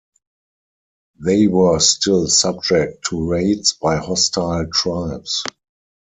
They were still subject to raids by hostile tribes.